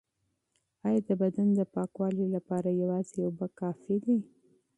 ایا د بدن د پاکوالي لپاره یوازې اوبه کافی دي؟